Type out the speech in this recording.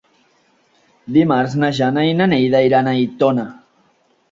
Dimarts na Jana i na Neida iran a Aitona.